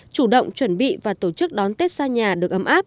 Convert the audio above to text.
chủ động chuẩn bị và tổ chức đón tết xa nhà được ấm áp